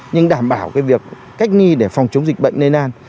nhưng đảm bảo việc cách ly để phòng chống dịch bệnh lây lan